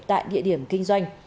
tại địa điểm kinh doanh